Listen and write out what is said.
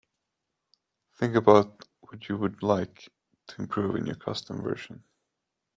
Think about what you would like to improve in your custom version.